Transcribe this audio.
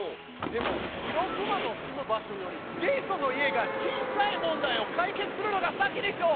でも白くまの住む場所よりジェイソンの家が小さい問題を解決するのが先でしょ！